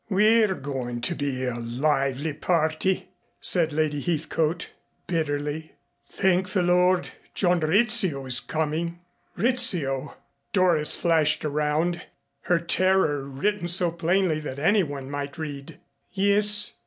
"We're going to be a lively party," said Lady Heathcote bitterly. "Thank the Lord, John Rizzio is coming." "Rizzio!" Doris flashed around, her terror written so plainly that anyone might read. "Yes.